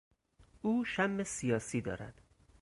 او شم سیاسی دارد.